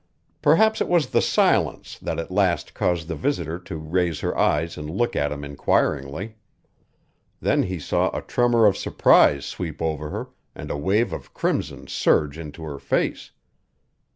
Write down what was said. Perhaps it was the silence that at last caused the visitor to raise her eyes and look at him inquiringly. Then he saw a tremor of surprise sweep over her, and a wave of crimson surge into her face.